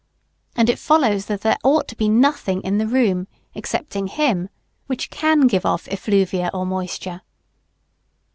And it follows that there ought to be nothing in the room, excepting him, which can give off effluvia or moisture.